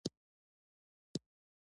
نور ترې خبر نه لرم